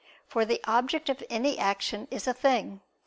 For the object of any action is a thing.